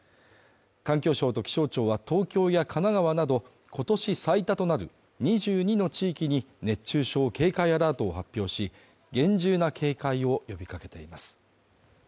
環境省と気象庁は東京や神奈川など、今年最多となる２２の地域に熱中症警戒アラートを発表し、厳重な警戒を呼びかけています。